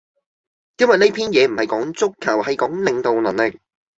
因為呢篇嘢唔係講足球，係講領導能力